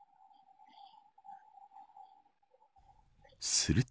すると